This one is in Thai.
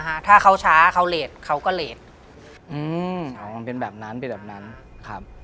อ่าถ้าเขาช้าเขาเล็ดเขาก็เล็ดเป็นแบบนั้นครับ